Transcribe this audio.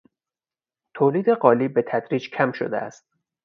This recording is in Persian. تولید قالی به تدریج کم شده است.